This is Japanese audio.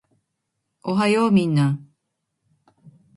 おはようみんな